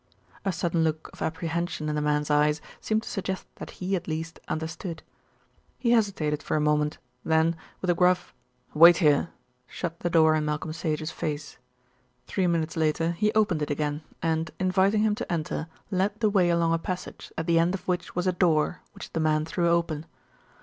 A sudden look of apprehension in the man's eyes seemed to suggest that he at least understood. He hesitated for a moment, then, with a gruff "Wait there," shut the door in Malcolm Sage's face. Three minutes later he opened it again and, inviting him to enter, led the way along a passage, at the end of which was a door, which the man threw open.